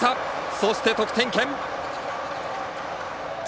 そして、得点圏。